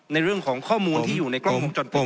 ในเรื่องของข้อมูลที่อยู่ในกล้องวงจรปิด